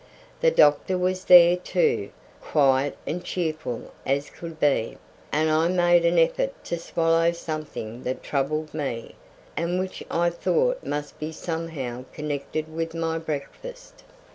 The doctor was there, too, quiet and cheerful as could be, and I made an effort to swallow something that troubled me, and which I thought must be somehow connected with my breakfast.